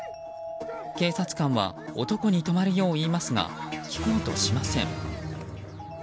警察官は男に止まるよう言いますが聞こうとしません。